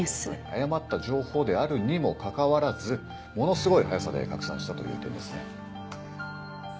「誤った情報であるにもかかわらずものすごい速さで拡散したという点ですね」